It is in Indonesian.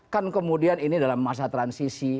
kan kemudian ini dalam masa transisi